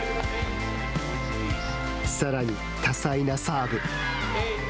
さらに多彩なサーブ。